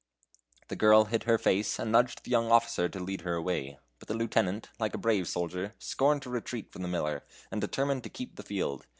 The girl hid her face, and nudged the young officer to lead her away. But the lieutenant, like a brave soldier, scorned to retreat from the miller, and determined to keep the field.